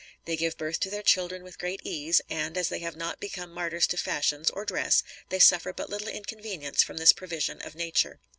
They give birth to their children with great ease, and, as they have not become martyrs to fashions, or dress, they suffer but little inconvenience from this provision of nature.